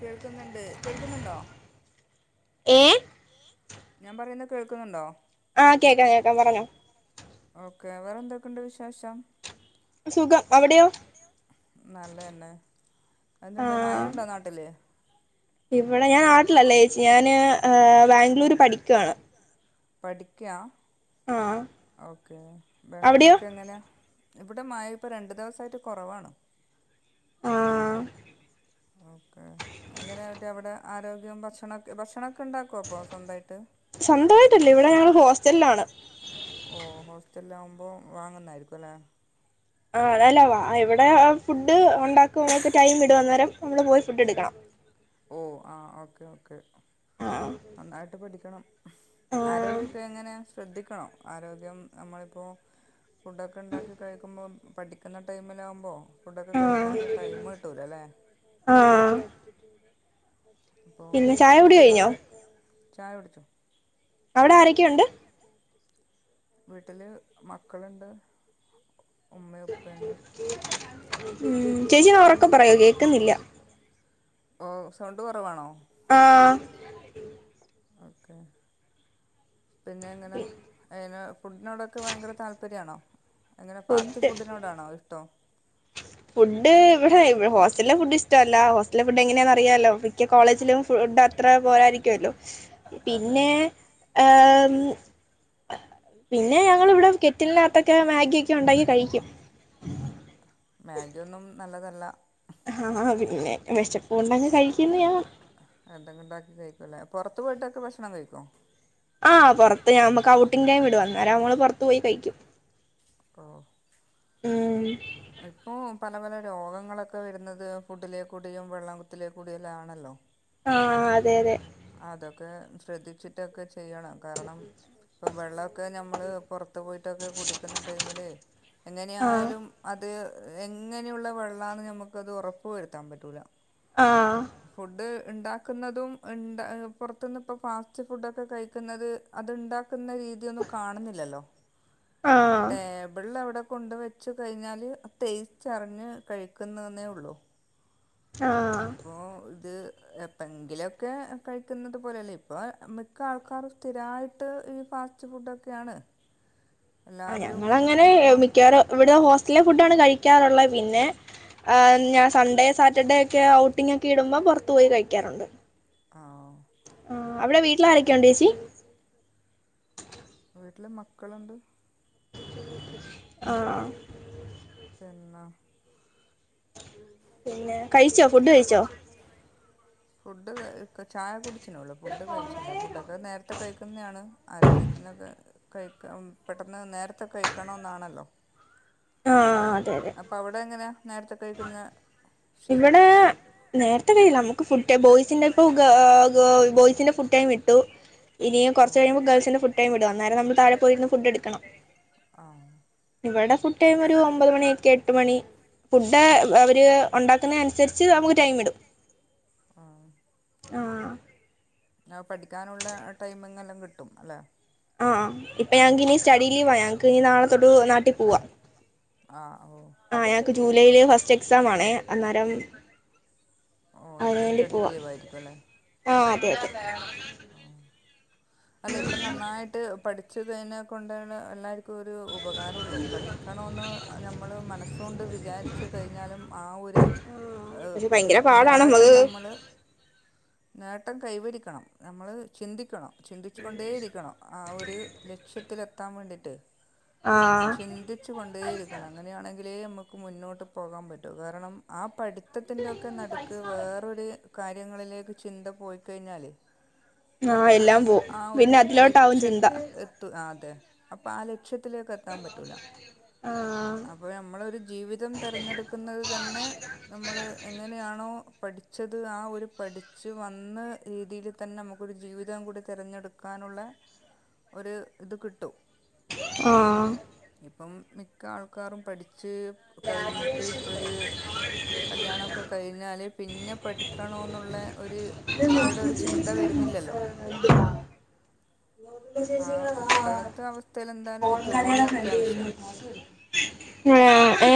കേൾക്കുന്നുണ്ട് കേൾക്കുന്നുണ്ടോ എഏ ഞാൻ പറയുന്ന കേൾക്കുന്നുണ്ടോ ആഹ് കേക്കാം കേക്കാ പറഞ്ഞോ ഓക്കേ വേറെന്തൊക്കെയുണ്ട് വിശേഷം സുഖം അവിടെയോ നല്ലതന്നെ അന്ണ്ട് മയുണ്ടോ നാട്ടില് ഇവിടെ ഞാൻ നാട്ടിലല്ലേ ചേച്ചി ഞാന് ബാംഗ്ലൂര് പഠിക്കുവാണ് പഠിക്കാ ഓക്കെ ബാംഗ്ലൂരു ഒക്കെ എങ്ങനെയാ? ഇവിടെ മഴ ഇപ്പൊ രണ്ടു ദിവസായിട്ട് കുറവാണ്. ഓക്കെ എങ്ങനെയ മറ്റേ അവിടെ ആരോഗ്യവും, ഭക്ഷണം ഭക്ഷണമൊക്കെ ഉണ്ടാക്കോ സ്വന്തായിട്ട് സ്വന്തമായിട്ടല്ല ഇവിടെ ഞങ്ങള് ഹോസ്റ്റലിലാണ് ഓ ഹോസ്റ്റലിൽ ആകുമ്പോ വാങ്ങുന്നായിരിക്കും അല്ലേ ആ അല്ല വ അ ഇവിടെ ഫുഡ് ഉണ്ടാക്കും എന്നിട്ട് ടൈം ഇടും അന്നേരം നമ്മള് പോയി ഫുഡ് എടുക്കണം. ഓ ആ ഓക്കെ ഓക്കേ നന്നായിട്ട് പഠി ക്കണം ആരോഗ്യമൊക്കെ എങ്ങനെയ ശ്രദ്ധിക്കണം ആരോഗ്യം നമ്മളിപ്പോ ഫുഡൊക്കെ ഉണ്ടാക്കി കഴിക്കുമ്പോ പഠിക്കുന്ന ടൈമിലാകുമ്പോ ഫുഡൊക്കെ കഴിക്കാനുള്ള ടൈമ് കിട്ടൂലല്ലേ പിന്നെ ചായ കുടി കഴിഞ്ഞോ? ചായ കുടിച്ചോ? അവിടെ ആരൊക്കെയുണ്ട്? വീട്ടില് മക്കളുണ്ട്. ഉം ചേച്ചി ഒറക്കെ പറയൊ കേക്കുന്നില്ല ഓ സൗണ്ട് കുറവാണോ? ആ ഓക്കെ പിന്നെ എങ്ങന അയന് ഫുഡിനോടൊക്കെ ഭയങ്കര താല്പര്യാണോ എങ്ങനെ ഫാസ്റ്റ് ഫുഡിനോടാണോ ഇഷ്ടം ഫുഡ് ഇവിടെ ഹോസ്റ്റലിലെ ഫുഡ് ഇഷ്ടല്ല ഹോസ്റ്റലിലെ ഫുഡ് എങ്ങനെയാന്ന് അറിയാലോ മിക്ക കോളേജിലും ഫുഡ് അത്ര പോരായിരിക്കോല്ലോ പിന്നെ ഏ ഉം പിന്നെ ഞങ്ങളിവിടെ കെറ്റിലിനകത്തൊക്കെ മാഗിയൊക്കെ ഉണ്ടാക്കി കഴിക്കും. മാഗിയൊന്നും നല്ലതല്ല. ആ പിന്നെ വിശപ്പ് കൊണ്ടങ്ങ് കഴിക്കുന്നയാ എന്തെങ്കിലും ഉണ്ടാക്കി കഴിക്കുല്ലേ പുറത്തു പോയിട്ടൊക്കെ ഭക്ഷണം കഴിക്കോ ആഹ് പൊറത്ത് നമക്ക് ഔട്ടിംഗ് ടൈം ഇടും അന്നേരം നമ്മള് പൊറത്ത് പോയി കഴിക്കും. ഓ ഉം ഇപ്പൊ പല പല രോഗങ്ങളൊക്കെ വരുന്നത് ഫുഡിലേ കൂടിയും വെള്ളം ത്തിലേ കൂടിയ എല്ലാം ആണല്ലോ ആ അതെ അതെ അതൊക്കെ ശ്രദ്ധിച്ചിട്ടൊക്കെ ചെയ്യണം കാരണം ഇപ്പം വെള്ളൊക്കെ നമ്മള് പൊറത്ത് പോയിട്ടൊക്കെ കുടിക്കുന്ന ടൈമില് എങ്ങനായാലും അത് എങ്ങനെയുള്ള വെള്ളാന്ന് നമ്മുക്ക് അത് ഉറപ്പ് വരുത്താൻ പറ്റൂല ആ ഉണ്ടാക്കുന്നതും ഉണ്ടാ പുറത്തുന്നിപ്പോ ഫാസ്റ്റ് ഫുഡൊക്കെ കഴിക്കുന്നത് അത്ണ്ടാക്കുന്ന രീതിയൊന്നും കാണുന്നില്ലല്ലോ ടേബിൾലെവിടെ കൊണ്ടുവെച്ചുകഴിഞ്ഞാൽ ടേസ്റ്റ് അറിഞ്ഞ് കഴിക്കുന്നുന്നെ ഉള്ളൂ അപ്പൊ ഇത് എപ്പങ്കിലൊക്കെ കഴിക്കുന്നത് പോലെയല്ല ഇപ്പൊ മിക്ക ആൾക്കാരും സ്ഥിരായിട്ട് ഈ ഫാസ്റ്റ് ഫുഡൊക്കെയാണ് ആ ഞങ്ങളങ്ങനെ മിക്കവാറും ഇവിടെ ഹോസ്റ്റ്ൽലെ ഫുഡ് ആണ് കഴി ഴിക്കാറുള്ളെ പിന്നെ എ ഞാൻ സൺ‌ഡേ സാറ്റർഡേ ഒക്കെ ഔട്ടിംങ് ഒക്കെ ഇടുമ്പോ പുറത്തു പോയി കഴിക്കാറുണ്ട് ആ അവിടെ വീട്ടില് ആരൊക്കെ ഉണ്ട് ചേച്ചി വീട്ടില് മക്കളുണ്ട് ആ ആ പിന്ന പിന്നെ കഴിച്ചോ ഫുഡ് കഴിച്ചോ ഫുഡ് ഇപ്പൊ ചായ കുടി ച്ചേ ഉള്ളു ഫുഡ് കഴിച്ചില്ല ഫു ഡൊക്കെ നേര ത്തെ കഴിക്കുന്നയാണ് ആരോഗ്യത്തിനൊക്കെ കഴിക പെട്ടെന്ന് നേരത്തെ കഴിക്കണോന്നാണല്ലോ ആ ആ അപ്പൊ അവിടെ എങ്ങനാ നേരത്തെ ത്തേ ത്തന്നെ ഇവിടെ നേര [unintelligible] ഇല്ല നമുക്ക് ഫുഡ് ബോയ്സിന്റെ ഇപ്പ ഗേ ഗേ ബോയ്സിന്റെ ഫുഡ്ടൈം വിട്ടു ഇനി കുറച്ച്കഴിയുമ്പോ ഗേൾ സിന്റെ ഫുഡ് ടൈം വ് ടും അന്നേരം നമ്മൾ താഴെ പോയിരുന്ന് ഫുഡ് എടുക്കണം അ ഇവിടെ ഫുഡ് ടൈം ഒരു ഒമ്പത് മണിയൊക്കെ എട്ടുമണി ഫുഡ്‌ അവര് ഉണ്ടാക്കുന്ന അനുസരിച്ച് നമുക്ക് ടൈം ഇടും അ ആ ആ പഠിക്കാനുള്ള ടൈമിങ് എല്ലാം കിട്ടും അല്ലെ ആ ഇപ്പൊ ഞങ്ങക്ക്നി സ്റ്റഡി ലീവാ ഞങ്ങക്ക് ഇനി നാളെത്തൊട്ട് നാട്ടിപോവാം അ ഒ ആ ഞങ്ങക്ക് ജൂലൈയില് ഫസ്റ്റ് എക്സാം ആണേ അന്നേരം ഒ ഇപ്പ സ്റ്റഡി ലീവായിരിക്കും അല്ലെ [unintelligible] അ അല്ല ഇപ്പൊ നന്നായിട്ട് പഠി [unintelligible] കൊണ്ടാണ് എല്ലാവും [unintelligible] ഒരു ഉപകാരോള്ളൂ പഠിക്കണോന്ന് നമ്മൾ മനസ്സൊണ്ട് വിചാരിച്ച് കഴിഞ്ഞാലും ആ ഒരു നേട്ടം നമ്മൾ നേ [unintelligible] കൈവരിക്കണം നമ്മൾ ചിന്തിക്കണം ചിന്തിച്ചുക കൊണ്ടേ ഇരിക്കണം ആ ഒരു ലക്ഷ്യത്തി ത്തിലേക്ക് എത്താൻ വേണ്ടിയിട്ട് ചിന്തിച്ച കൊണ്ടേ ഇരിക്കണം അങ്ങനെയാണെങ്കിൽ നമുക്ക് മുന്നോട്ട് പോകാൻ പറ്റൂ കാരണം ആ പഠിച്ച മൊത്തത്തിന്റെറെൊക്കെ നടുക്ക് വേറൊരു കാര്യങ്ങളിലേക്ക് ചിന്ത പോയിക്കഴിഞ്ഞാലേ ആഹ് എല്ലാം ആ ഒരു ലക്ഷ്യം എത്തുക അതെ അപ്പോ അത് ലക്ഷത്തിലേക്ക് എത്താൻ പറ്റില്ല അപ്പോൾ നമ്മളൊരു ജീവിതം തിരഞ്ഞെടുക്കുന്നത് തന്നെ നമ്മള് എങ്ങനെയാണോ പഠിച്ചത് ആ ഒരു പഠിച്ചു വന്ന രീതിയിൽ തന്നെ നമുക്കരു ജീവിതം കൂടി തിരഞ്ഞെടുക്കാനുള്ള ഒരു ഇത് കിട്ടും ആ ഇപ്പം മിക്ക ആൾക്കാരും പഠിച്ച കുച്ച് കഴിഞ്ഞിട്ട് ഒരു കല്യാണംമൊക്കെ കഴിഞ്ഞാല് പിന്നെ പഠിക്കണ എന്നുള്ള ഒരു അവിടെ ഒരു ചിന്ത വരുന്നില്ലല്ലോ ആ [inaudible] ഹമ് എ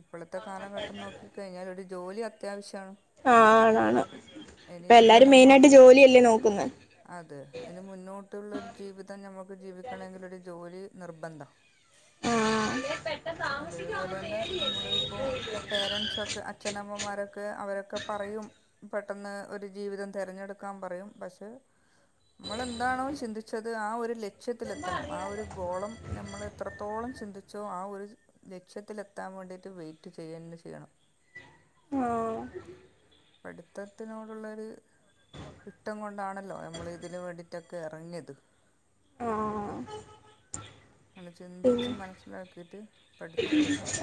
ഇപ്പോഴത്തെ കാലഘട്ടം നോക്കി കഴിഞ്ഞാൽ ഒരു ജോലി അത്യാവശ്യം ആണാണ് ഇപ്പൊ എല്ലാരും മെയിന ആയിട്ട് ജോലിയല്ലേ നോക്കുന്ന ഒരു ജീവിതം നമുക്ക് ജീവിക്കണമങ്കിൽ ഒരു ജോലി നിർബന്ധം അതേപോലെ തന്നെ നമ്മള് ഇപ്പോ പേരൻറ്സ ഒക്കെ അച്ഛനമ്മമാരൊക്കെ അവരൊക്കെ പറയും ജീവിതം തിരഞ്ഞെടുക്കാൻയും പക്ഷെ നമ്മ എന്ത ചിന്തിച്ചത് ആ ഒരു ലക്ഷ്യം ലക്ഷ്യത്തിലെത്തണം ആ ഒരു ഗോളം സോ ആ ഒരു ലക്ഷ്യത്തിലെത്താൻ വേണ്ടിയിട്ട് വെയിറ്റ് ചെയ്യെ ചെയ്യണം ആ പഠിത്തത്തിനോടുള്ളൊരു ഇഷ്ടം കൊണ്ടാണല്ലോ നമ്മള ഇതിന് വേണ്ടിയിട്ടൊക്കെ ഇറങ്ങിയത് ആ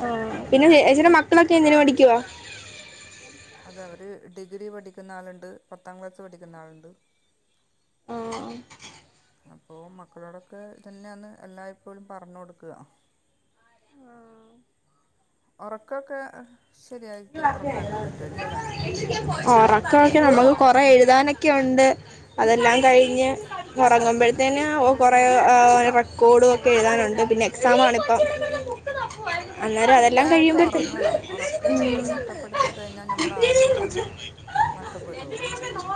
ആ പിന്നെ ചേച്ചിടെ മക്കളൊക്കെ എന്തിനെ പഠിക്കുവ അതെ അവര് ഡിഗ്രി പഠിക്കുന്ന ആളുണ്ട് പത്താം ക്ലാസ്സ് പഠിക്കുന്ന ആളുണ്ട് ആ അപ്പൊ മക്കളോടൊക്കെ തന്നെയന്ന് എല്ലായ്പ്പോഴും പറഞ്ഞു കൊടുക്കുക ഉറക്കൊക്കെ ശരിയായി ഉറക്കമൊക്കെ നമ്മുക്ക് കൊറെ എഴുതാനൊക്കെ ഉണ്ട് അതെല്ലാം കഴിഞ്ഞ് ഉറങ്ങുമ്പോഴത്തേന് കുറേ റെക്കോർഡും ഒക്കെ എഴുതാനുണ്ട് പിന്നെ എക്സാമാണ് ഇപ്പം കൃത്യമായിട്ട് ഉറങ്ങണം ഉറക്ക നമ്മള് നഷ്ട കൊടുത്തു കഴിഞ്ഞാൽ നമ്മളെ ആരോഗ്യം നഷ്ടപ്പെട്ടുപോവും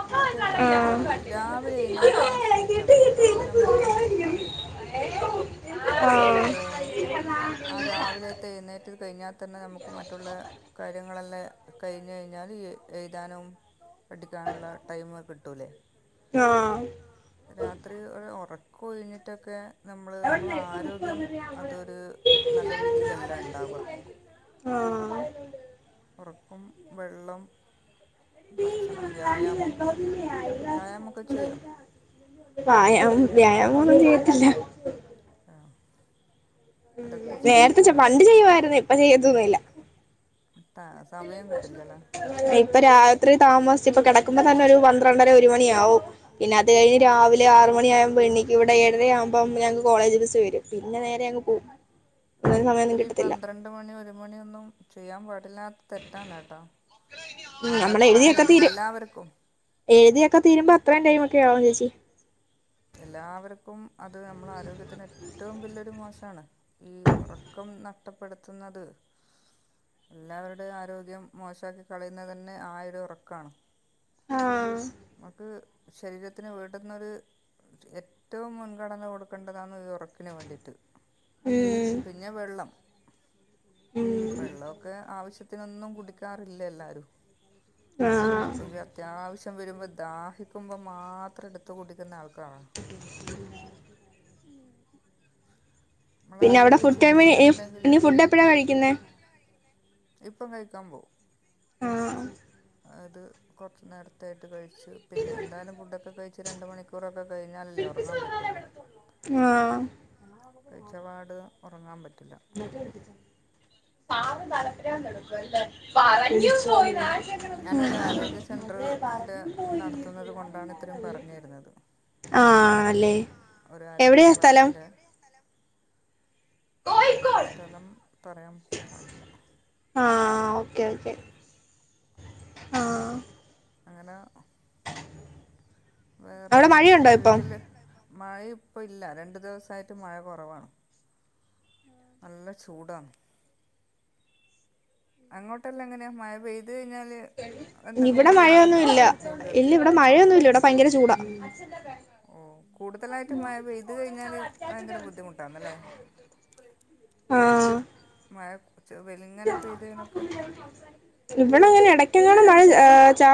കൃത്യമായിട്ട് എപ്പളും ഉറങ്ങി രാവി ണീൽക്കാൻ ലിച്ചാൽ മതി അപ്പള് നമ്മൾക്ക് സൗ വ് ആ രാവിലെത്തെ എഴു കഞ്ഞ തന്നെ നമുക്ക് മറ്റുള്ള കാര്യങ്ങളല്ലാം കഴിഞ്ഞ് കഴിഞ്ഞാല് എഴുതാനും അടിക്കാനുള്ള ടൈമ് കിട്ടും ട്ടല രാത്രി ഒരു ഒറക്ക കൊഴിഞ്ഞിട്ടൊക്കെ നമ്മ അവിടന്ന എപ്പ മുപ്പ് വന്ന [unintelligible] ആ ഉറക്കും വെള്ളം വ്യായ വ്യായാമ മോന് ഒന്നും ചെയ്യത്തില്ല ഉം നേരത്തെ ചെ പണ്ട് ചെയ്യുവായിരുന്നു ഇപ്പ ചെയ്യത്തൊന്നില്ല ഇപ്പൊ രാത്രി താമസ ഇപ്പ കിടക്കുമ്പോ തന്നെ ഒരു പന്ത്രണ്ടര ഒരു മണിയാവും പിന്നെ അത് കഴിഞ്ഞി രാവിലെ ആറു മണിയ ആവുമ്പോ എണീക്കും ഇവിടെ ഏഴരയാവുമ്പോ ഞങ്ങക്ക് കോളേജ് ബസ് വരും പിന്നെ നേരെ അങ് പോകും ഒരിക്കലും ഈ പന്ത്രണ്ട് മണി ഒരു മണിയൊന്നും ചെയ്യാൻ പാടി ല്ലാത്ത തെറ്റാന്ന് കേട്ടോ ആർക്കാലും എല്ലാവർക്കും ക്കയാവും ചേച്ചി എല്ലാവർക്കും അത് നമ്മള ആരോഗ്യത്തിന് ഏറ്റവും വല്ലൊരു മോശമാണ് ഈ ഉറക്കം നഷ്ടപ്പെടുത്തുന്നത് എല്ലാവരുടെ ആരോഗ്യം മോശമാക്കി കളയുന്നത് തന്നെ ആ ഒരു ഉറക്കമാണ് അത് ശരീരത്തിന് വീട്ടുന്നൊരു ഏറ്റവും മുൻഗണന കൊടുക്കേണ്ടതാണ് ഈ ഉറക്കിന് വേണ്ടീയിട്ട് ഉം ന്നെ വെള്ളം വെള്ളമൊക്കെ ആവിശ്യത്തിന് ഒന്നും കുടി ക്കാറില്ലേ എല്ലാരും എപ്പഴും അത്യാവശ്യ വരുമ്പോൾ ദാഹിക്കുമ്പോൾ മാത്രം എടുത്ത കുടിക്കുന്ന ആൾ ക്ക പിന്നെ അവിടെ ഫുഡ് കഴ [unintelligible] ഫുഡ് എപ്പഴാ കഴിക്കുന്നത് ഇപ്പം കഴിക്കാൻ പോ ആഹ അത് കുറച്ച് നേരത്തായിട്ട് കഴിച്ചു പിന്നെ എന്തായാലും ഫുഡൊക്കെ കഴിച്ച് രണ്ട് മണിക്കൂറൊ ക്ക കഴിഞ്ഞാലല്ലേ ഉറങ്ങാൻ പറ്റുള്ളു കഴിച്ചപ്പാട് ഉറങ്ങാൻ പറ്റും മട്ടക്കിച്ച സാറ് തലപരാന്തെടുക്കുല്ലേ പറഞ്ഞു പോയി. ഞാനൊരു ആരോഗ്യ സെന്ററിന്റെ നടത്തുന്നത് കൊണ്ടാണ് ഇത്രയും പറഞ്ഞു തരുന്നത് ഒരു ആരോഗ്യ ക്ലാസിന്റെ സ്ഥലം പറയാൻ പാടില്ല ഇതില് ആഹ അങ്ങനെ വേറെ വീട്ടില് മഴ ഇപ്പ ഇല്ല രണ്ടു ദിവസമായിട്ട് മഴ കുറവാണ് നല്ല ചൂടാണ്. അങ്ങോട്ടല്ലാം എങ്ങനെയ മഴ പെയ് ഇത് കഴിഞ്ഞാല് എന്തെങ്കിലും ബുദ്ധിമുട്ടുണ്ടാവോ കൂടുതൽ ഓ ഓ കൂടുതലായിട്ട് മ ഇത് കഴിഞ്ഞാല് ഭയങ്കര ബുദ്ധിമുട്ടാന്നല്ലേ മ ഇവിടെ അങ്ങനെയ ടയ്ക്കെങ്ങ മഴ ചാ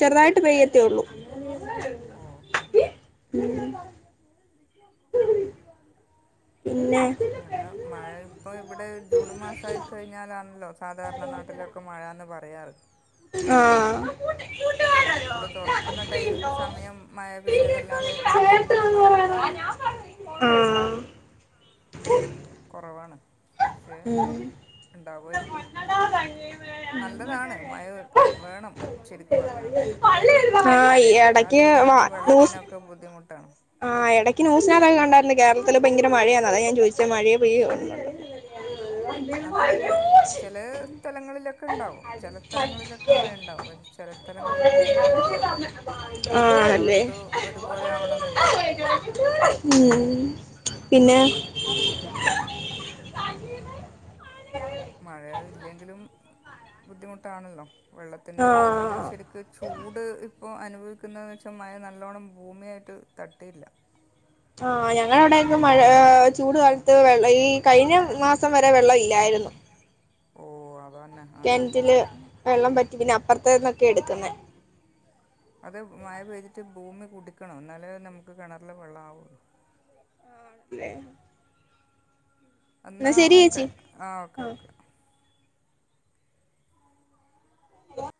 ചെറുതായിട്ട് പെയ്യത്തിള്ളൂ [unintelligible] ഉം ഉ അങ്ങനെ മഴ ഇപ്പൊ ഇവിടെ ജൂൺ മാസ ആയി കഴിഞ്ഞാലാണല്ലോ സാധാരണ നാട്ടിലൊക്കെ മഴന്ന് പറ തയ്യാർ പക്ഷെ സ്കൂള് തുറക്കുന്ന ട സമയം മഴ പെയ്തതല്ലാതെ കുഞ്ഞ് അങ്ങനെ മഴ ഇണ്ടായില്ല. ഉ കുറവാണ് ഉം നല്ലതാണ് മഴ വേണം ശരിക്ക് പറഞ്ഞാലു മഴ ഇല്ലാതിരുന്നാലും വെള്ളത്തിലൊക്കെ ബുദ്ധിമു ആഹ് ഇടയ്ക്ക് ന്യൂസിനാത്തൊക്കെ കണ്ടായിരുന്നു കേരളത്തില് ഭയങ്കര മഴയാണ് അതെ ഞാൻ ചോദിച്ചത്. മഴയെ പെയ്യ ൂ [unintelligible] ക്കെ ഉണ്ടാവും ചില തലങ്ങളിലൊക്കെ മഴ ഉണ്ടാവും പക്ഷെ ചില സ്ഥലങ്ങളിലൊന്നും കുറവാണ് എല്ലാവവിടത്തും ഒരുപോലെ ആവണെന്നില്ലല്ലോ. [unintelligible] മഴയ ഇല്ലെങ്കിലും ബുദ്ധിമുട്ടാണല്ലോ വെള്ളത്തിന്റെ ഒക്കെ നമ്മള് ശരിക്ക ചൂട് പ്പോ അനുഭവിക്കുന്നത് ന്ന് വെച്ചാൽ മഴ നല്ലോണം ഭൂമിയായിട്ട് തട്ടിയില്ല ആ ഞങ്ങളവിടെങ്ങും മഴ ഏ ചൂട് കാലത്ത് വെള്ളം ഈ കഴിഞ്ഞ മാസം വരെ വെള്ളം ഇല്ലായിരുന്നു ഓ അ കെണ്റ്റില് വെള്ളം പ പിന്നെ അപ്പർത്തേന്നൊക്കെ എട്ക്ക്ന്നെ അത് മഴ പെയ്തിട്ട് ഭൂമി കുട്ക്കണം ന്നാലേ നമുക്ക് കെണറില് വെള്ളമാവുള്ളു ല്ലേ എന്നാ ഓക്കെ ആ ഓക്കേ ഓക്കേ